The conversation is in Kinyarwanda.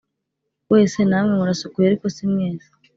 wese Namwe murasukuye ariko si mwese